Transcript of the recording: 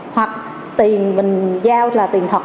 hoặc tiền mình giao là tiền thật